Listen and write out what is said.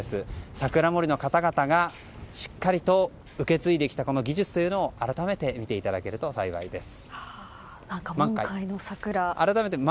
桜守の方々がしっかりと受け継いできたこの技術というのを改めて見ていただけると幸いです。